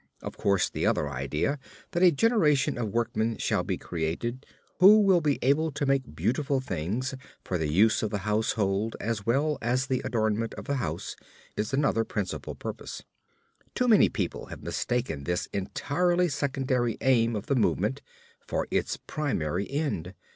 Of course, the other idea that a generation of workmen shall be created, who will be able to make beautiful things, for the use of the household as well as the adornment of the house is another principal purpose. Too many people have mistaken this entirely secondary aim of the movement for its primary end.